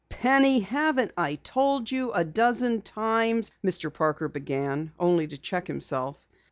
"Penny, haven't I told you a dozen times " Mr. Parker began, only to check himself.